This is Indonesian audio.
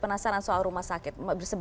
penasaran soal rumah sakit